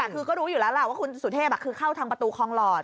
คือก็รู้อยู่แล้วล่ะว่าคุณสุเทพคือเข้าทางประตูคลองหลอด